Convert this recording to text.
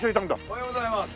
おはようございます。